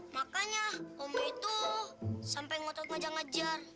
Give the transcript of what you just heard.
makanya om itu sampai ngotot ngejar ngejar